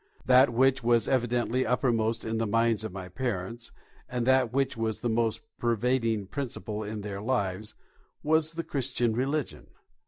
That which was evidently uppermost in the minds of my parents, and that which was the most pervading principle in their lives, was the Christian religion.